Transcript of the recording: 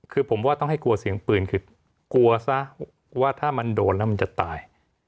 คือผมว่าต้องให้กลัวเสียงปืนคือกลัวซะว่าถ้ามันโดนแล้วมันจะตาย